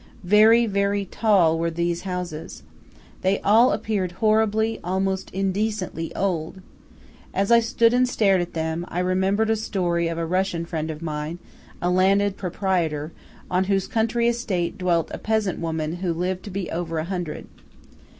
Very, very tall were these houses. They all appeared horribly, almost indecently, old. As I stood and stared at them, I remembered a story of a Russian friend of mine, a landed proprietor, on whose country estate dwelt a peasant woman who lived to be over a hundred.